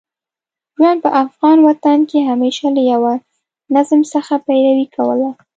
ژوند په افغان وطن کې همېشه له یوه نظم څخه پیروي کوله.